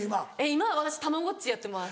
今私たまごっちやってます。